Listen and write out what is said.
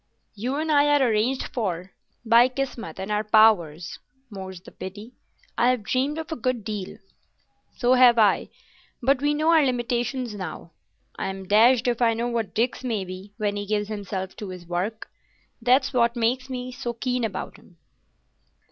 You and I are arranged for——" "By Kismet and our own powers, more's the pity. I have dreamed of a good deal." "So have I, but we know our limitations now. I'm dashed if I know what Dick's may be when he gives himself to his work. That's what makes me so keen about him."